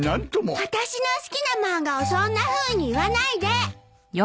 私の好きな漫画をそんなふうに言わないで！